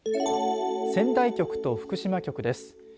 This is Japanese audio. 仙台局と福島局です。